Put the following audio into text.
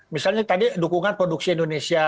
misalnya tadi dukungan produksi indonesia